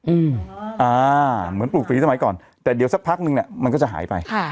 อืมอ่าเหมือนปลูกฝีสมัยก่อนแต่เดี๋ยวสักพักนึงเนี้ยมันก็จะหายไปค่ะ